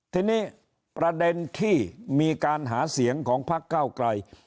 ทีนี้ประเด็นที่มีการหาเสียงของพักเก้าไกล